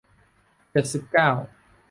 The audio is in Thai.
เจ็ดสิบเก้า